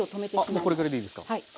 あっもうこれぐらいでいいですか。